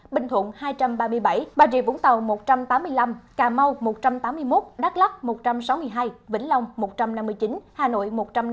bình thuận hai trăm ba mươi bảy bà rịa vũng tàu một trăm tám mươi năm cà mau một trăm tám mươi một đắk lắc một trăm sáu mươi hai vĩnh long một trăm năm mươi chín hà nội một trăm năm mươi